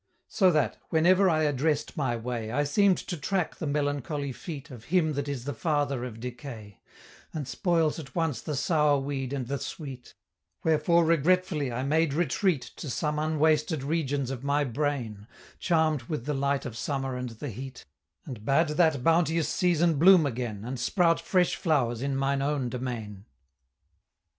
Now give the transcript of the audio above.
So that, wherever I address'd my way, I seem'd to track the melancholy feet Of him that is the Father of Decay, And spoils at once the sour weed and the sweet; Wherefore regretfully I made retreat To some unwasted regions of my brain, Charm'd with the light of summer and the heat, And bade that bounteous season bloom again, And sprout fresh flowers in mine own domain.